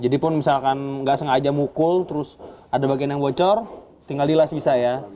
jadi pun misalkan nggak sengaja mukul terus ada bagian yang bocor tinggal dilas bisa ya